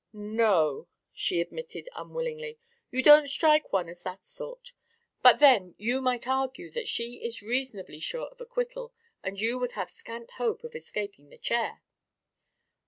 "No," she admitted unwillingly, "you don't strike one as that sort. But then you might argue that she is reasonably sure of acquittal and you would have scant hope of escaping the chair."